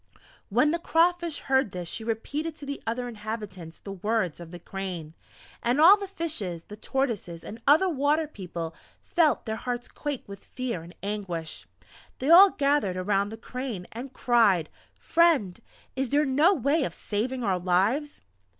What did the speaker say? When the Crawfish heard this she repeated to the other inhabitants the words of the Crane; and all the Fishes, the Tortoises, and other Water people felt their hearts quake with fear and anguish. They all gathered around the Crane and cried: "Friend, is there no way of saving our lives?"